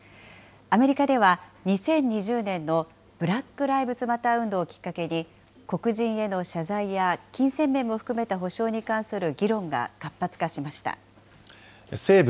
アメリカでは２０２０年のブラック・ライブズ・マター運動をきっかけに、黒人への謝罪や金銭面を含めた補償に関する議論が活発化西部